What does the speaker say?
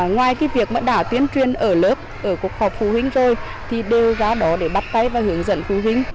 ngoài cái việc mở đảo tuyến truyền ở lớp ở cuộc họp phụ huynh rồi thì đưa ra đó để bắt tay và hướng dẫn phụ huynh